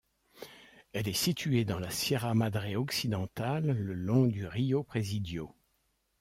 Elle est située dans la Sierra Madre Occidentale le long du Río Presidio.